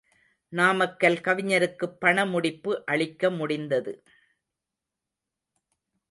நாமக்கல் கவிஞருக்குப் பண முடிப்பு அளிக்க முடிந்தது.